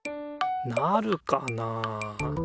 なるかなあ。